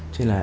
cho nên là